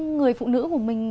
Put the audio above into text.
người phụ nữ của mình